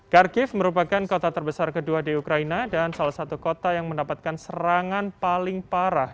kharkiv merupakan kota terbesar kedua di ukraina dan salah satu kota yang mendapatkan serangan paling parah